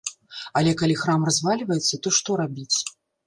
Але калі храм развальваецца, то што рабіць.